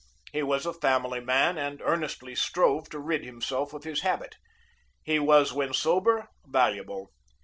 He was a family man and earnestly strove to rid himself of his habit; he was, when sober, valuable.